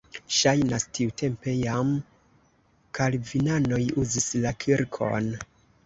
Ŝajnas, tiutempe jam kalvinanoj uzis la kirkon.